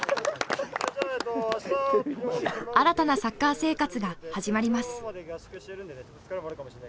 新たなサッカー生活が始まります。